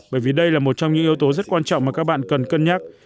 bởi vì đây là một trong những yếu tố rất quan trọng mà các bạn cần cân nhắc